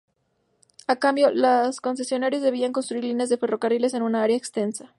A cambio, los concesionarios debían construir líneas de ferrocarriles en un área extensa.